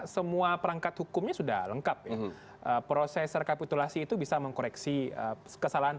semua perangkat hukumnya sudah lengkap ya proses rekapitulasi itu bisa mengkoreksi kesalahan